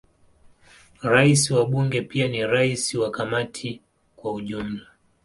Rais wa Bunge pia ni rais wa Kamati kwa ujumla.